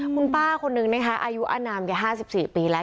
คุณป้าคนนึงนะคะอายุอนามแก๕๔ปีแล้ว